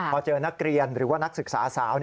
พอเจอนักเรียนหรือว่านักศึกษาสาว